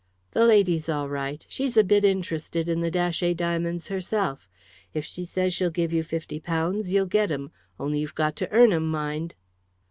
"The lady's all right. She's a bit interested in the Datchet diamonds herself. If she says she'll give you fifty pounds you'll get 'em, only you've got to earn 'em, mind!"